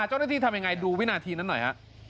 เจ้าหน้าที่ทำยังไงดูวินาทีนั้นหน่อย